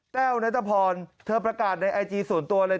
แววนัทพรเธอประกาศในไอจีส่วนตัวเลย